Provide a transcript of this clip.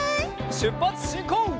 しゅっぱつしんこう！